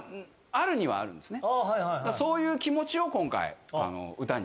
そういう気持ちを今回歌に。